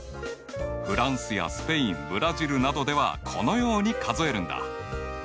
フランスやスペインブラジルなどではこのように数えるんだ。